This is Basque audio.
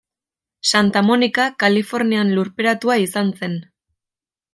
Santa Monica, Kalifornian lurperatua izan zen.